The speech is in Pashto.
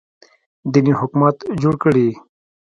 دیني حکومت جوړ کړي